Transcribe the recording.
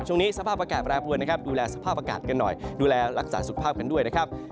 ช่วงนี้สภาพอากาศแปรปวนนะครับดูแลสภาพอากาศกันหน่อยดูแลรักษาสุขภาพกันด้วยนะครับ